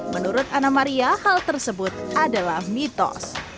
menurut ana maria hal tersebut adalah mitos